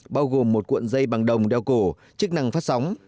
bao gồm một cuộn dây bằng đồng đeo cổ chức năng phát sóng